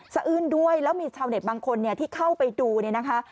อื้นด้วยแล้วมีชาวเน็ตบางคนเนี่ยที่เข้าไปดูเนี่ยนะคะ